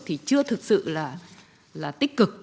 thì chưa thực sự là tích cực